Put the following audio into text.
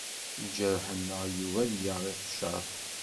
Lǧarḥ-nneɣ, yugi ad yaɣ iqcer.